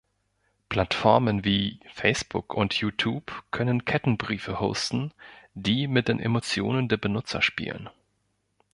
Plattformen wie Facebook und YouTube können Kettenbriefe hosten, die mit den Emotionen der Benutzer spielen.